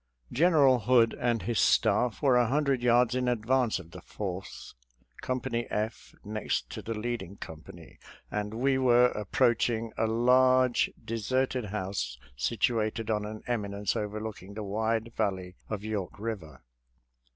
General Hood and his staff were a hun dred yards in advance of the Fourth, Company P next to the leading company, and we were ap proaching a large deserted house situated on an eminence overlooking the wide valley of York Eiver.